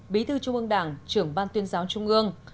bí thư trung ương đảng trưởng ban tuyên giáo trung ương